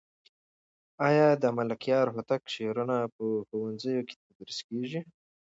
آیا د ملکیار هوتک شعرونه په ښوونځیو کې تدریس کېږي؟